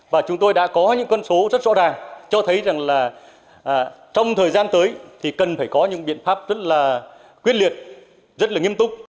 và chúng tôi đã có những con số rất rõ ràng cho thấy rằng là trong thời gian tới thì cần phải có những biện pháp rất là quyết liệt rất là nghiêm túc